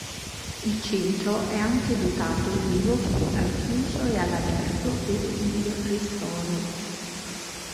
Il centro è anche dotato di luoghi al chiuso e all'aperto per il ristoro.